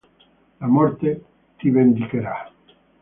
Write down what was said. La morte ti vendicherà.